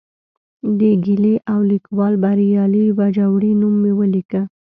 د ګیلې او لیکوال بریالي باجوړي نوم مې ولیکه.